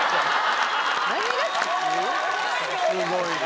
すごいな。